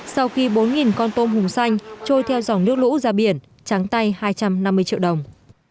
sau khi bốn con tôm hùm xanh trôi theo dòng nước lũ ra biển trắng tay hai trăm năm mươi triệu đồng